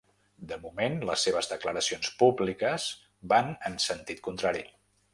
De moment, les seves declaracions públiques van en sentit contrari.